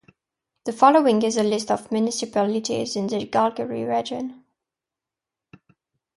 The following is a list of municipalities in the Calgary Region.